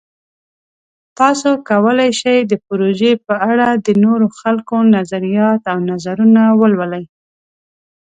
تاسو کولی شئ د پروژې په اړه د نورو خلکو نظریات او نظرونه ولولئ.